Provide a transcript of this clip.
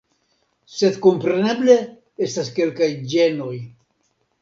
Sed kompreneble estas kelkaj ĝenoj.